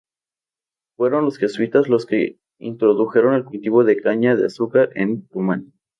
Fueron los jesuitas los que introdujeron el cultivo de caña de azúcar en Tumán.